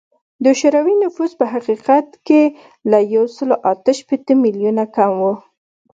د شوروي نفوس په حقیقت کې له یو سل اته شپیته میلیونه کم و